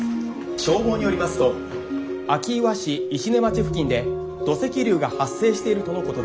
消防によりますと明岩市石音町付近で土石流が発生しているとのことです。